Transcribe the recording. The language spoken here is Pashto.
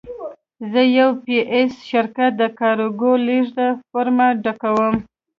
زه د یو پي ایس شرکت د کارګو لېږد فورمه ډکوم.